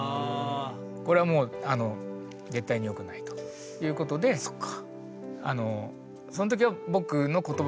これはもう絶対によくないということでその時は僕の言葉